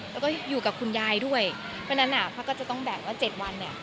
แล้วก็อยู่กับคุณยายด้วยเพราะฉะนั้นพระก็จะต้องแบ่งว่า๗วันเนี่ย